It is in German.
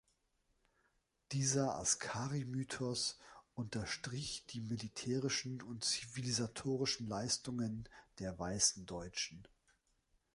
Dieser „Askari-Mythos“ unterstrich die militärischen und zivilisatorischen Leistungen der weißen Deutschen.